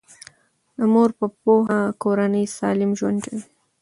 د مور په پوهه کورنۍ سالم ژوند کوي.